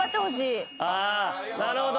なるほど。